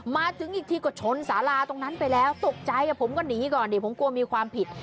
มาถึงอีกทีก็ชนสาราตรงนั้นไปแล้วตกใจผมก็หนีก่อนดิผมกลัวมีความผิด